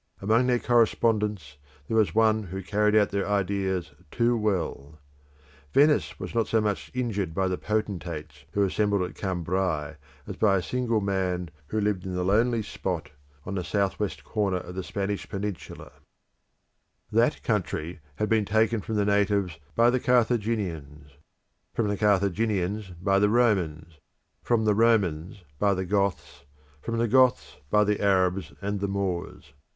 Among their correspondents there was one who carried out their ideas too well. Venice was not so much injured by the potentates who assembled at Cambrai as by a single man who lived in a lonely spot on the south west coast of the Spanish peninsula. Arab Spain That country had been taken from the natives by the Carthaginians, from the Carthaginians by the Romans, from the Romans by the Goths, from the Goths by the Arabs and the Moors.